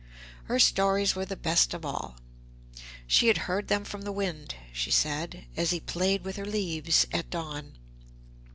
Her stories were the best of all. She had heard them from the wind, she said, as he played with her leaves at dawn.